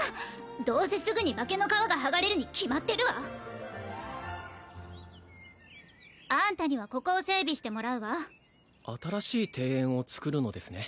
どうせすぐに化けの皮がはがれるに決まってるわあんたにはここを整備してもらうわ新しい庭園を作るのですね